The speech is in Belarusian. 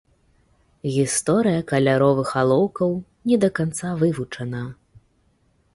Гісторыя каляровых алоўкаў не да канца вывучана.